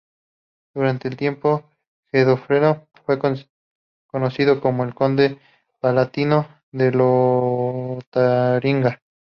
Durante un tiempo, Godofredo fue conocido como Conde palatino de Lotaringia.